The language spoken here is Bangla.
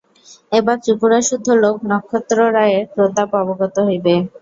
এবার ত্রিপুরাসুদ্ধ লোক নক্ষত্ররায়ের প্রতাপ অবগত হইবে।